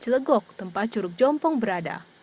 di legok tempat curug jompong berada